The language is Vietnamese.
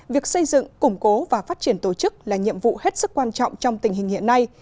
việc xây dựng củng cố và phát triển tổ chức là nhiệm vụ hết sức quan trọng trong tình hình hiện nay